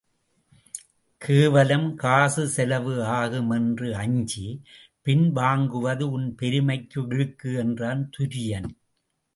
கேவலம் காசு செலவு ஆகும் எனறு அஞ்சிப் பின் வாங்குவது உன் பெருமைக்கு இழுக்கு எனறான் துரியன்.